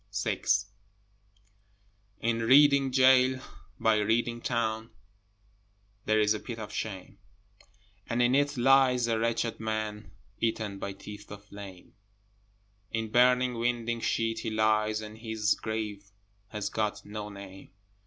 VI In Reading gaol by Reading town There is a pit of shame, And in it lies a wretched man Eaten by teeth of flame, In burning winding sheet he lies, And his grave has got no name.